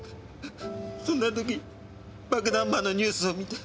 そんな時爆弾魔のニュースを見て。